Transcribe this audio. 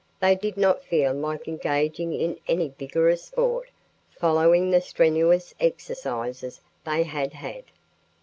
They did not feel like engaging in any vigorous sport following the strenuous exercises they had had.